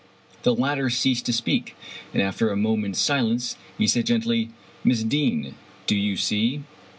The latter ceased to speak, and after a moment's silence he said gently, "Miss Deane, do you see?"